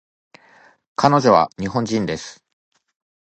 彼女は日本人です